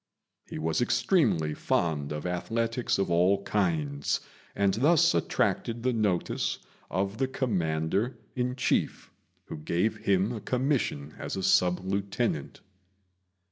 He was extremely fond of athletics of all kinds, and thus attracted the notice of the Commander in Chief, who gave him a commission as sub lieutenant.